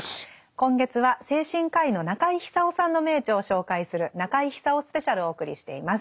今月は精神科医の中井久夫さんの名著を紹介する「中井久夫スペシャル」をお送りしています。